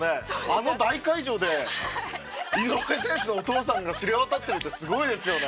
あの大会場で井上選手のお父さんが知れ渡ってるってすごいですよね。